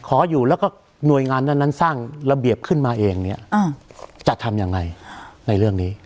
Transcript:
ขออยู่แล้วก็หน่วยงานนั้นสร้างระเบียบขึ้นมาเองเนี่ยจะทำยังไงในเรื่องนี้